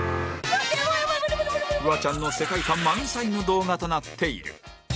フワちゃんの世界観満載の動画となっている